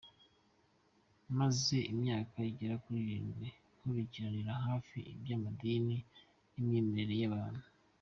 Maze imyaka igera kuri irindwi nkurikiranira hafi iby’amadini n’imyemerere y’abantu.